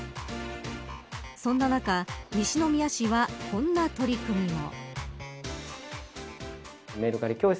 そんな中、西宮市はこんな取り組みも。